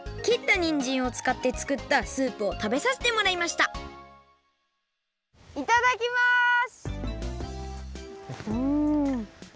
きったにんじんを使ってつくったスープをたべさせてもらいましたいただきます！